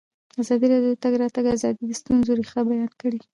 ازادي راډیو د د تګ راتګ ازادي د ستونزو رېښه بیان کړې.